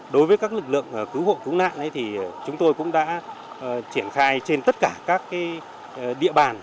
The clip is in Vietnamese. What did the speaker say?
đối với các lực lượng cứu hộ cứu nạn thì chúng tôi cũng đã triển khai trên tất cả các địa bàn